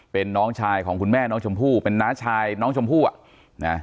เป็นน้องชายของคุณแม่น้องชมพู่เป็นน้าชายน้องชมพู่อ่ะนะ